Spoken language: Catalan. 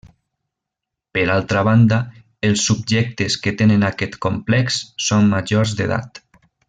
Per altra banda, els subjectes que tenen aquest complex són majors d'edat.